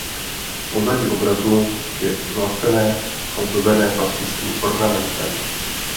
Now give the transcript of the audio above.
Pozadí obrazu je zlacené a zdobené plastickým ornamentem.